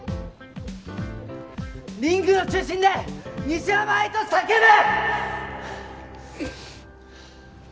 リングの中心で「西山愛」と叫ぶ！